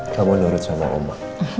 kamu nurut sama oma